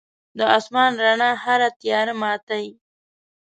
د ایمان رڼا هره تیاره ماتي.